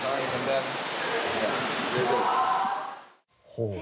ほう。